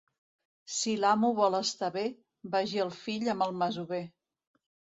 Si l'amo vol estar bé, vagi el fill amb el masover.